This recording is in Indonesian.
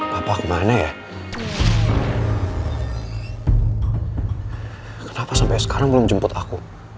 bapak kemana ya kenapa sampai sekarang belum jemput aku